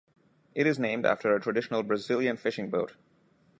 It is named after a traditional Brazilian fishing boat.